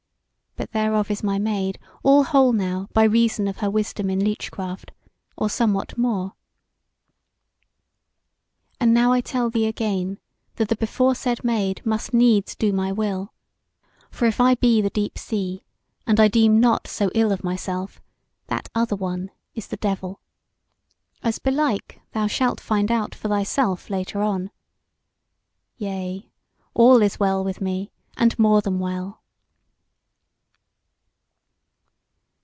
But thereof is my Maid all whole now by reason of her wisdom in leechcraft, or somewhat more. And now I tell thee again, that the beforesaid Maid must needs do my will; for if I be the deep sea, and I deem not so ill of myself, that other one is the devil; as belike thou shalt find out for thyself later on. Yea, all is well with me, and more than well."